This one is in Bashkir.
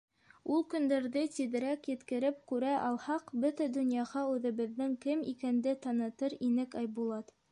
Ул көндәрҙе тиҙерәк еткереп күрә алһаҡ, бөтә донъяға үҙебеҙҙең кем икәнде танытыр инек, Айбулат.